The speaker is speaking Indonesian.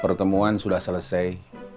pertemuan sudah selesai